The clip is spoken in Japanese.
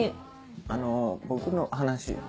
あの僕の話。